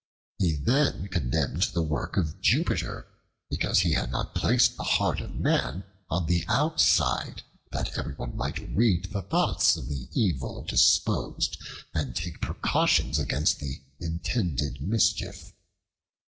He then condemned the work of Jupiter, because he had not placed the heart of man on the outside, that everyone might read the thoughts of the evil disposed and take precautions against the intended mischief.